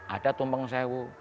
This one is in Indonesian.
ada tumpeng sewu